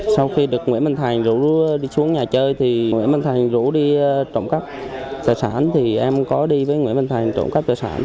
sau khi được nguyễn minh thành rủ đi xuống nhà chơi thì nguyễn minh thành rủ đi trộm cắp tài sản thì em có đi với nguyễn văn thành trộm cắp tài sản